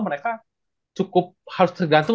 mereka cukup harus tergantung